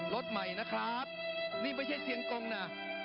รถใหม่นะครับนี่ไม่ใช่เชียงกงนะ